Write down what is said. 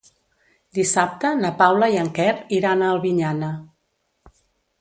Dissabte na Paula i en Quer iran a Albinyana.